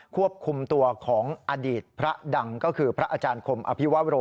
ควบคุมตัวของอดีตพระดังก็คือพระอาจารย์คมอภิวโร